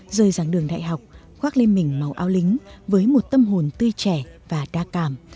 rời dàng đường đại học khoác lên mình màu ao lính với một tâm hồn tươi trẻ và đa cảm